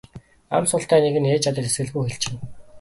Ам султай нэг нь ээж аавдаа тэсгэлгүй хэлчихнэ.